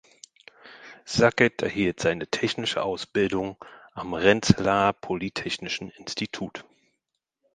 Sackett erhielt seine technische Ausbildung am Rensselaer Polytechnischen Institut.